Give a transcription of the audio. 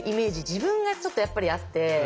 自分がちょっとやっぱりあって。